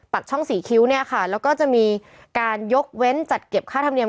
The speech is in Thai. ช่องสี่คิ้วเนี่ยค่ะแล้วก็จะมีการยกเว้นจัดเก็บค่าธรรมเนียม